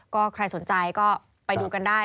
ก็ใครสนใจก็ไปดูกันได้